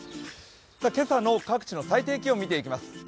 今朝の各地の最低気温を見ていきます。